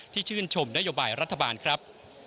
ชื่นชมนโยบายรัฐบาลครับ